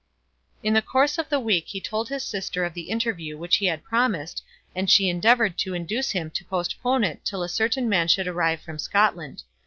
In the course of the week he told his sister of the interview which he had promised, and she endeavoured to induce him to postpone it till a certain man should arrive from Scotland.